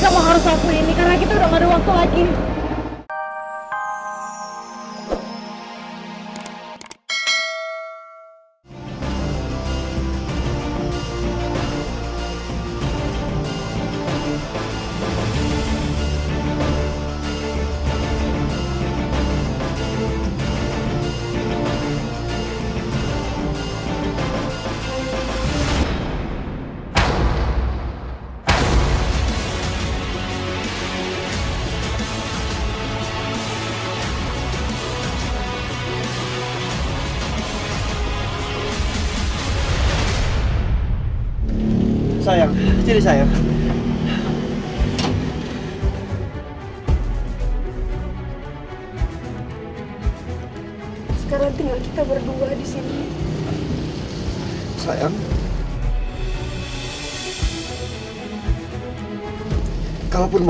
biar saya yang tahu kita akan mendahkan